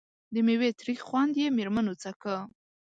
د میوې تریخ خوند یې مېرمنو څکه.